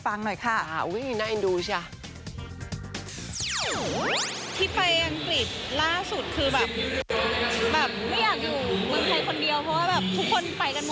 แล้วก็เลยตามเขาไปดีใจที่เพื่อนกลับมาโสดด้วยกัน